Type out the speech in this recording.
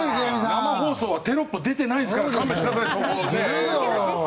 生放送はテロップ出てないんですから勘弁してくださいよ。